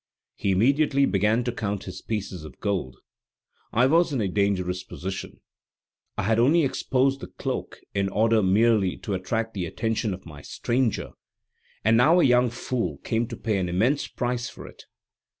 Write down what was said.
He immediately began to count his pieces of gold. I was in a dangerous position: I had only exposed the cloak, in order merely to attract the attention of my stranger, and now a young fool came to pay an immense price for it.